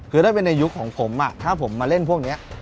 คือถ้าเป็นในยุคของผมถ้าผมมาเล่นพวกนี้